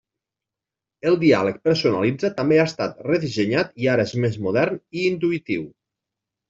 El diàleg «Personalitza» també ha estat redissenyat i ara és més modern i intuïtiu.